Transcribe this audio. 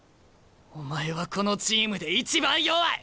お前はこのチームで一番弱い！